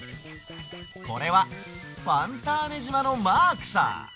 これはファンターネじまのマークさ！